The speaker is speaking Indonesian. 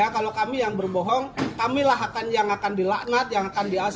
kalau kami yang berbohong kami lah yang akan dilaknat yang akan diasuh